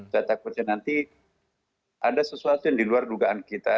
saya takutnya nanti ada sesuatu yang diluar dugaan kita